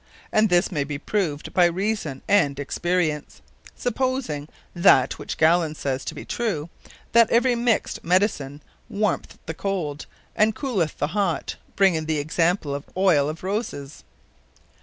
And this may be proved by reason, and experience: (supposing that which Gallen sayes, to be true, that every mixt Medicine, warmeth the cold, and cooleth the hot; bringing the examples of Oyle of Roses.)